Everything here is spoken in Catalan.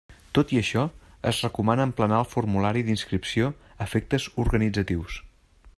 Tot i això, es recomana emplenar el formulari d'inscripció a efectes organitzatius.